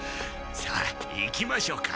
さあ行きましょうか。